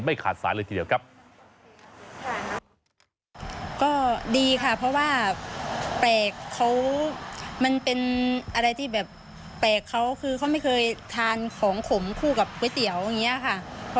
ไม่ขาดสารเลยทีเดียวกับ